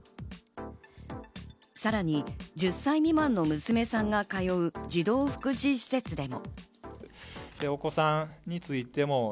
さらに１０歳未満の娘さんが通う児童福祉施設でも。